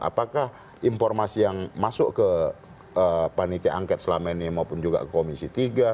apakah informasi yang masuk ke panitia angket selama ini maupun juga komisi tiga